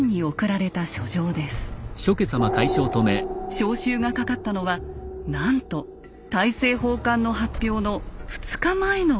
招集がかかったのはなんと大政奉還の発表の２日前のこと。